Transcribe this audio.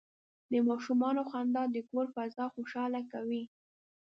د ماشومانو خندا د کور فضا خوشحاله کوي.